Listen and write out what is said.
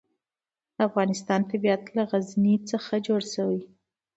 د افغانستان طبیعت له غزني څخه جوړ شوی دی.